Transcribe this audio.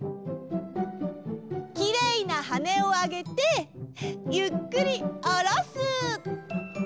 きれいなはねをあげてゆっくりおろす！